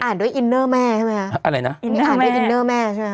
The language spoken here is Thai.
ด้วยอินเนอร์แม่ใช่ไหมฮะอะไรนะอินนี่อ่านด้วยอินเนอร์แม่ใช่ไหมค